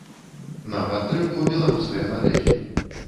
На падтрымку беларускае мадэлі.